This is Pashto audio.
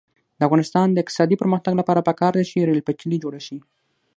د افغانستان د اقتصادي پرمختګ لپاره پکار ده چې ریل پټلۍ جوړه شي.